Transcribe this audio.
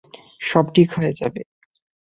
সব ঠিক হয়ে যাবে!